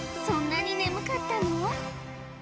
そんなに眠かったの？